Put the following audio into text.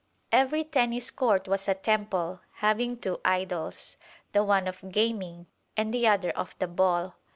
Every Tennis Court was a temple, having two idols, the one of gaming, and the other of the ball.